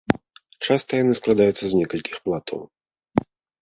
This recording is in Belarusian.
Часта яны складаюцца з некалькіх плато.